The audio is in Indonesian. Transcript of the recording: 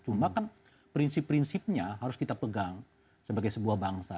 cuma kan prinsip prinsipnya harus kita pegang sebagai sebuah bangsa